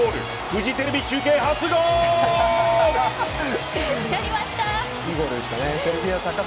フジテレビ中継初ゴール！